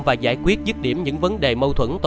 và giải quyết dứt điểm những vấn đề mâu thuẫn